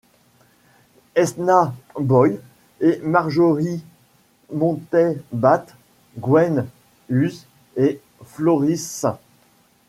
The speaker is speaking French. Esna Boyd et Marjorie Mountain battent Gwen Utz et Floris St.